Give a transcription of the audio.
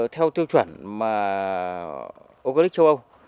theo tiêu chuẩn mà ocalix châu âu